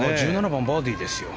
１７番バーディーですよ。